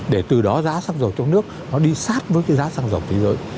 để từ đó giá răng dầu trong nước nó đi sát với cái giá răng dầu thế giới